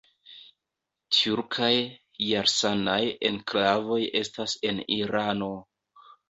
Tjurkaj Jarsanaj enklavoj estas en Irano.